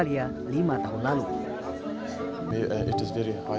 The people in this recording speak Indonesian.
kami datang dari sini